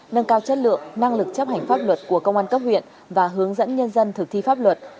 nâng cao chất lượng năng lực chấp hành pháp luật của công an cấp huyện và hướng dẫn nhân dân thực thi pháp luật